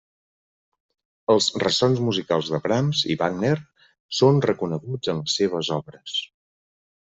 Els ressons musicals de Brahms i Wagner són reconeguts en les seves obres.